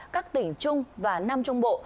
các tỉnh trung và nam trung bộ